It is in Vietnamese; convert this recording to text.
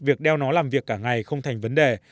việc đeo nó làm việc cả ngày không thành vấn đề